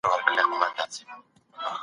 انسان به د خپلې پوهي په واسطه نړۍ بدله کړي.